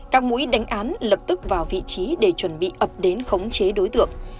các mũi đánh án lập tức vào vị trí để chuẩn bị ập đến khống chế đối tượng